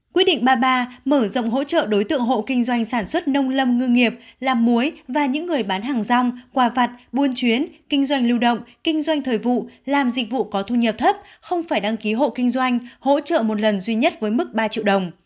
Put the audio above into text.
quyết định ba mươi ba mở rộng hỗ trợ đối tượng hộ kinh doanh sản xuất nông lâm ngư nghiệp làm muối và những người bán hàng rong quà vặt buôn chuyến kinh doanh lưu động kinh doanh thời vụ làm dịch vụ có thu nhập thấp không phải đăng ký hộ kinh doanh hỗ trợ một lần duy nhất với mức ba triệu đồng